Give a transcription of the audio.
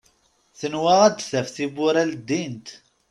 Tenwa ad d-taf tiwwura ldint.